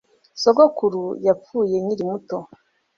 Sogokuru yapfuye nkiri muto